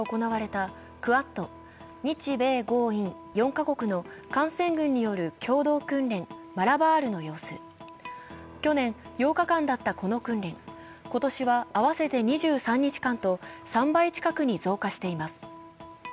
これは、１１日から行われたクアッド＝日米豪印４か国の艦船群による共同訓練の様子、８日間だったこの訓練、今年は合わせて２３日間と、３倍近くに増加しています。